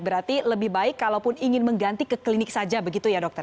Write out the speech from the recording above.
berarti lebih baik kalaupun ingin mengganti ke klinik saja begitu ya dokter